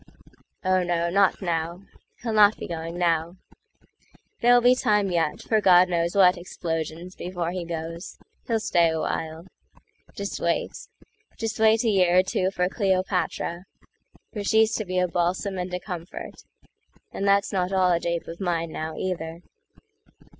O no, not now! He'll not be going now:There'll be time yet for God knows what explosionsBefore he goes. He'll stay awhile. Just wait:Just wait a year or two for Cleopatra, For she's to be a balsam and a comfort; And that's not all a jape of mine now, either.